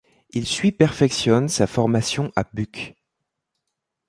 Il suit perfectionne sa formation à Buc.